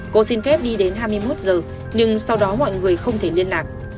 cô xin phép đi đến hai mươi một giờ nhưng sau đó mọi người không thể liên lạc